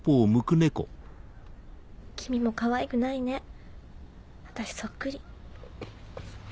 君もかわいくないね私そっくり。